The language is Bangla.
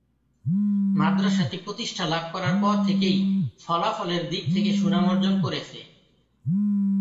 মাদ্রাসাটি প্রতিষ্ঠা লাভ করার পর থেকেই ফলাফলের দিক থেকে সুনাম অর্জন করেছে।